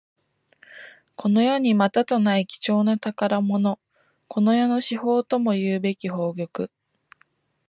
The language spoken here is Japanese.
この世にまたとない貴重な宝物。この世の至宝ともいうべき宝玉。